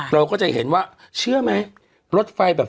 เราก็จะเห็นว่าเชื่อไหมรถไฟแบบ